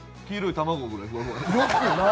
それぐらいふわふわ。